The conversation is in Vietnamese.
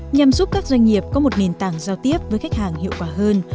nhằm giúp các doanh nghiệp có một nền tảng giao tiếp với khách hàng hiệu quả hơn